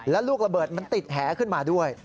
และลูกระเบิดมันติดแหขึ้นมาด้วย